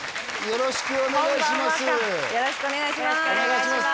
よろしくお願いします